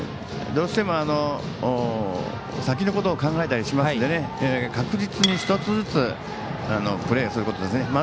どうしても先のことを考えたりしますので確実に１つずつプレーすることですね。